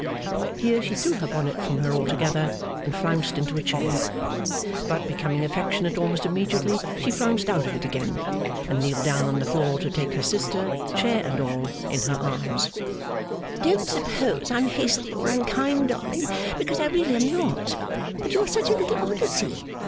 Here, she threw her bonnet from her altogether, and flounced into a chair. But, becoming affectionate almost immediately, she flounced out of it again, and kneeled down on the floor to take her sister, chair and all, in her arms. 'Don't suppose I am hasty or unkind, darling, because I really am not. But you are such a little oddity!